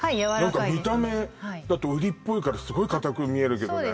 何か見た目だってウリっぽいからすごい硬く見えるけどねあっ